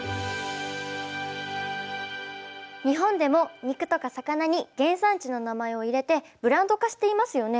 日本でも肉とか魚に原産地の名前を入れてブランド化していますよね。